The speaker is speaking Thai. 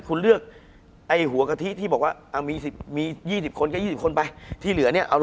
คุณผู้ชมบางท่าอาจจะไม่เข้าใจที่พิเตียร์สาร